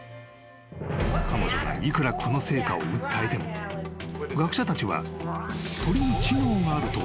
［彼女がいくらこの成果を訴えても学者たちは］